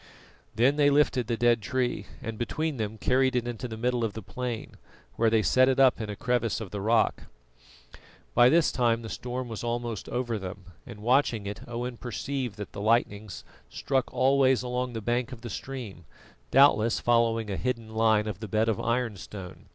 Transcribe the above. Then they lifted the dead tree, and between them carried it into the middle of the plain, where they set it up in a crevice of the rock. By this time the storm was almost over them, and watching it Owen perceived that the lightnings struck always along the bank of the stream, doubtless following a hidden line of the bed of ironstone.